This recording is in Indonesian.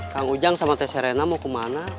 kang ujang sama teh serena mau kemana